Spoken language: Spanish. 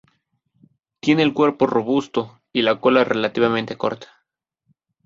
Tiene el cuerpo robusto y la cola relativamente corta.